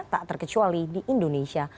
tak terkecuali di indonesia